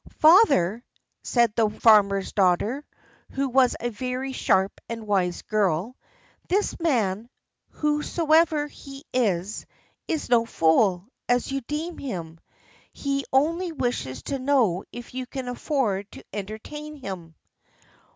"Father," said the farmer's daughter, who was a very sharp and wise girl, "this man, whosoever he is, is no fool, as you deem him. He only wishes to know if you can afford to entertain him."